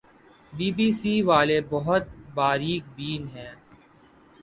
be B C والے بھی بہت باریک بین ہیں